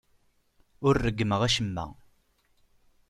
Ur ṛeggmeɣ acemma.